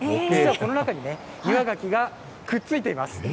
この中にね、岩がきがくっついています。